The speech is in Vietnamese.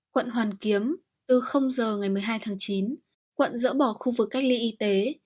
quận hoàn kiếm từ giờ ngày một mươi hai tháng chín quận dỡ bỏ khu vực cách ly y tế